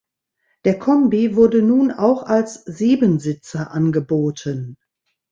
Der Kombi wurde nun auch als Siebensitzer angeboten.